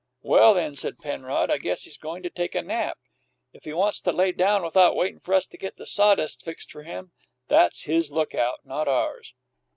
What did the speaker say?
"Well, then," said Penrod, "I guess he's goin' to take a nap. If he wants to lay down without waitin' for us to get the sawdust fixed for him, that's his lookout, not ours."